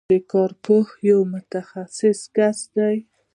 کارپوه یو متخصص کس دی.